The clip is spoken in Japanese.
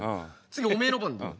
次おめえの番だよ。